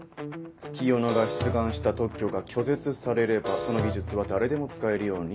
月夜野が出願した特許が拒絶されればその技術は誰でも使えるようになる。